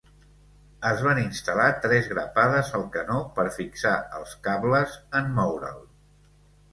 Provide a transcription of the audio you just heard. Es van instal·lar tres grapades al canó per fixar els cables en moure'l.